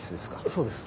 そうです。